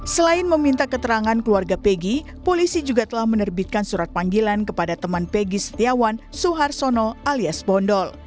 selain meminta keterangan keluarga pegi polisi juga telah menerbitkan surat panggilan kepada teman pegi setiawan suharsono alias bondol